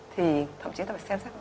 thì thậm chí ta phải xem xét